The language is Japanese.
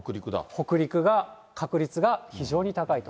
北陸が、確率が非常に高いと。